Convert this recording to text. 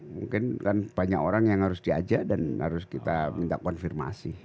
mungkin kan banyak orang yang harus diajak dan harus kita minta konfirmasi